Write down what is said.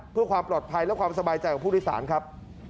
เพื่อความปลอดภัยและความสบายใจของผู้โดยสารครับ